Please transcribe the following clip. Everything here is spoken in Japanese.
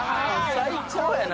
最高やな。